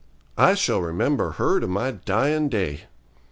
I shall remember her to my dying day.